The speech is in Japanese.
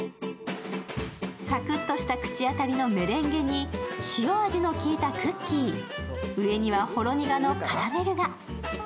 サクッとした口当たりのメレンゲに塩味のきいたクッキー、上にはほろ苦のカラメルが。